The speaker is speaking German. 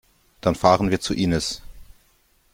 Dann fahren wir zu Inis.